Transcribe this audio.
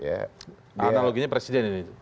analoginya presiden ini